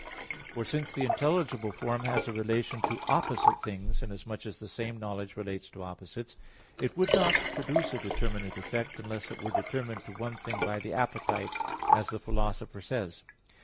For since the intelligible form has a relation to opposite things (inasmuch as the same knowledge relates to opposites), it would not produce a determinate effect unless it were determined to one thing by the appetite, as the Philosopher says (Metaph.